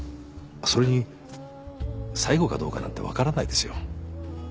それに最後かどうかなんて分からないですよ。